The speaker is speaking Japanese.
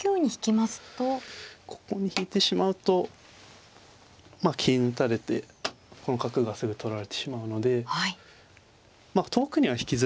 ここに引いてしまうと金打たれてこの角がすぐ取られてしまうので遠くには引きづらいですかね。